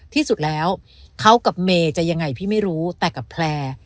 ที่สุดแล้วเขากับเมย์จะยังไงพี่ไม่รู้แต่กับแพลร์